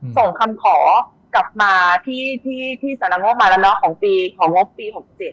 ส่งคำขอกลับมาที่สนับงบมาแล้วเนอะของงบปี๖๐